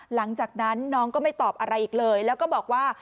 หลังจากนั้นน้องก็ไม่ตอบอะไรอีกเลยแล้วก็บอกว่า